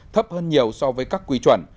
thấp hơn nhiều so với các quy chuẩn